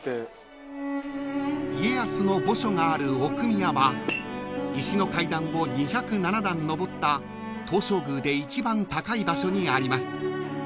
［家康の墓所がある奥宮は石の階段を２０７段上った東照宮で一番高い場所にあります］